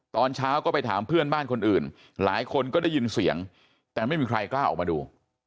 ตอนเช้าก็ไปถามเพื่อนบ้านคนอื่นหลายคนก็ได้ยินเสียงแต่ไม่มีใครกล้าออกมาดู